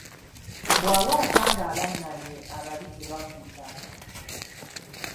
Bw'awaata ng'alannamye abali tebakkuta.